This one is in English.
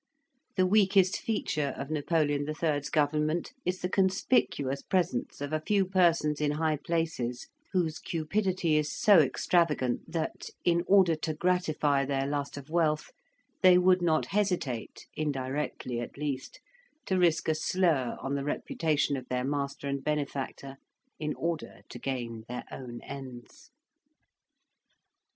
The weakest feature of Napoleon III.'s Government is the conspicuous presence of a few persons in high places, whose cupidity is so extravagant that, in order to gratify their lust of wealth, they would not hesitate, indirectly at least, to risk a slur on the reputation of their master and benefactor, in order to gain their own ends.